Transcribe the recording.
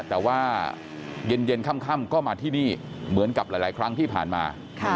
แต่ว่าเย็นค่ำก็มาที่นี่เหมือนกับหลายครั้งที่ผ่านมา